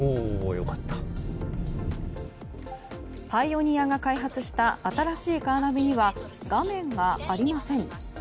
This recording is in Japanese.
パイオニアが開発した新しいカーナビには画面がありません。